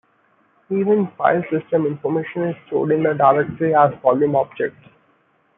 Even file system information is stored in the directory as "volume objects".